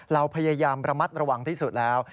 เราพยายามระมัดระวังที่สุดแล้ว